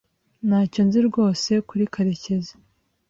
Ntacyo nzi rwose kuri karekezi.